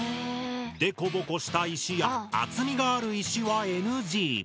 でこぼこした石や厚みがある石はＮＧ。